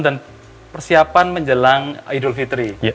dan persiapan menjelang idul fitri